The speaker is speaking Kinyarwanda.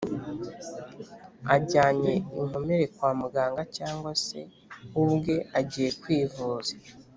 - ajyanye inkomere kwa muganga cg se we ubwe agiye kwivuza